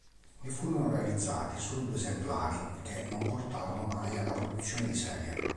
Ne furono realizzati soli due esemplari che non portarono mai alla produzione di serie.